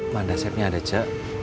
mana siapnya ada ce